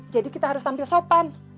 jadi kita harus tampil sopan